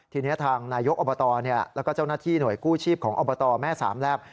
ทีนี้ทางนายกอบตแล้วก็เจ้าหน้าที่หน่วยกู้ชีพของอบตแม่สามแลบ